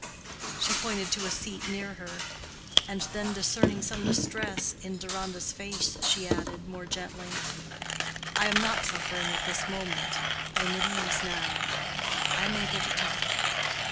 She pointed to a seat near her; and then discerning some distress in Deronda's face, she added, more gently, "I am not suffering at this moment. I am at ease now. I am able to talk."